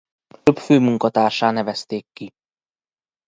Később főmunkatárssá nevezték ki.